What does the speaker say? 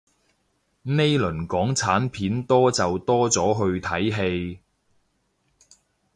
呢輪港產片多就多咗去睇戲